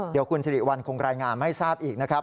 เดี๋ยวคุณสิริวัลคงรายงานให้ทราบอีกนะครับ